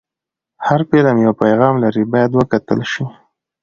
هر فلم یو پیغام لري، باید وکتل شي.